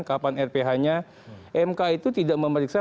kapan rph nya mk itu tidak memeriksa